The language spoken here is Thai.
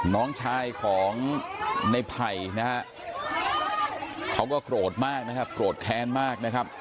น้องชายของในไผ่นะฮะเขาก็โกรธมากนะครับโกรธแค้นมากนะครับ